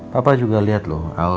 papa juga liat loh al kemarin sama nino